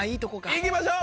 行きましょう！